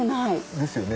ですよね。